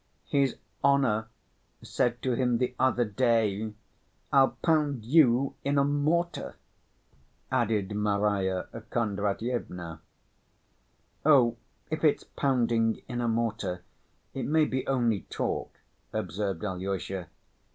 "His honor said to him the other day, 'I'll pound you in a mortar!' " added Marya Kondratyevna. "Oh, if it's pounding in a mortar, it may be only talk," observed Alyosha.